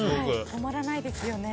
止まらないですよね。